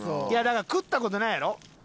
いやだから食った事ないやろ？